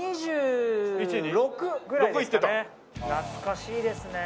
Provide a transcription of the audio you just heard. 懐かしいですね。